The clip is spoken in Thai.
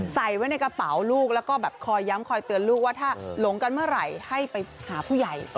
ใส่ไว้ในกระเป๋าลูกแล้วก็แบบคอยย้ำคอยเตือนลูกว่าถ้าหลงกันเมื่อไหร่ให้ไปหาผู้ใหญ่